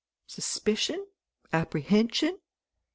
Suspicion? apprehension?